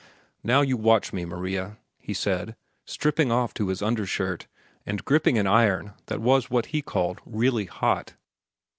"Now you watch me, Maria," he said, stripping off to his undershirt and gripping an iron that was what he called "really hot."